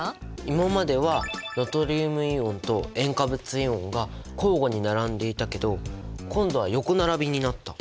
今まではナトリウムイオンと塩化物イオンが交互に並んでいたけど今度は横並びになった。